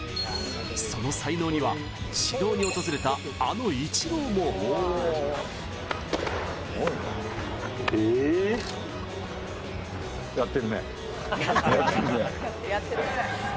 その才能には指導に訪れたあのイチローもすごいな、えっ。